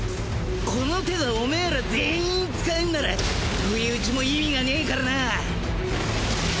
この手がオメエら全員使えんなら不意打ちも意味がねえからな。